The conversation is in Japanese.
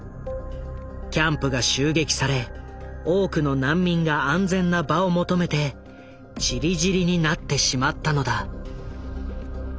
キャンプが襲撃され多くの難民が安全な場を求めてちりぢりになってしまったのだ。